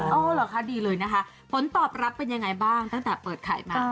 อ๋อเหรอคะดีเลยนะคะผลตอบรับเป็นยังไงบ้างตั้งแต่เปิดขายมา